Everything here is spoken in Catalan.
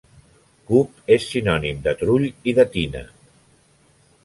Cup és sinònim de trull i de tina.